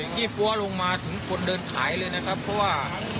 นับตั้งแต่ยี่ปั้วลงมาถึงคนเดินขายเลยนะครับเพราะว่า